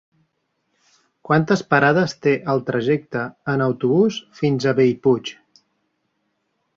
Quantes parades té el trajecte en autobús fins a Bellpuig?